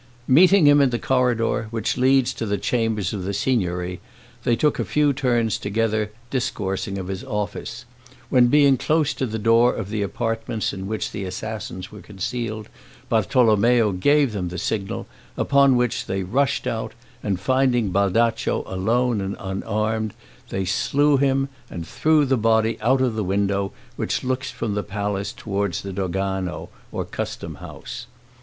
Meeting him in the corridor, which leads to the chambers of the Signory, they took a few turns together discoursing of his office, when being close to the door of the apartments in which the assassins were concealed, Bartolommeo gave them the signal, upon which they rushed out, and finding Baldaccio alone and unarmed, they slew him, and threw the body out of the window which looks from the palace toward the dogano, or customhouse.